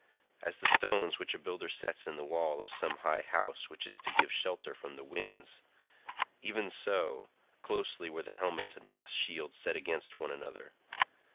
As the stones which a builder sets in the wall of some high house which is to give shelter from the winds—even so closely were the helmets and bossed shields set against one another.